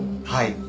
はい。